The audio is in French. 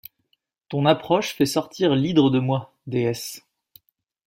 Ton approche fait sortir l’hydre de moi, déesse.